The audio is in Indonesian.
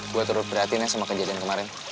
gue terus berhati hati sama kejadian kemarin